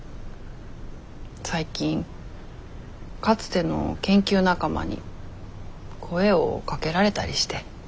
最近かつての研究仲間に声をかけられたりして。